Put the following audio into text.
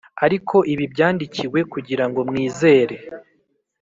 Ariko ibi byandikiwe kugira ngo mwizere